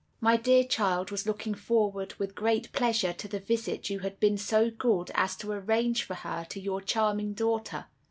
"My dear child was looking forward with great pleasure to the visit you had been so good as to arrange for her to your charming daughter."